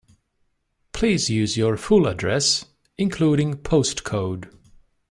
Please use your full address, including postcode